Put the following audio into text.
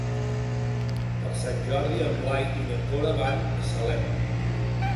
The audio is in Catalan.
Per Sant Jordi en Blai i na Cora van a Salem.